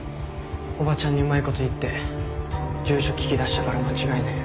オバチャンにうまいこと言って住所聞き出したから間違いねえ。